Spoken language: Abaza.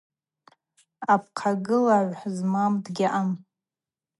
Апхъагылагӏв дызмам дгьаъам.